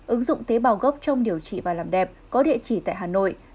ứng dụng tế bào gốc trong điều trị và làm đẹp có địa chỉ tại hà nội